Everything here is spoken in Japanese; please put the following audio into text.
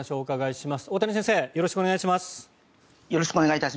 お願いします。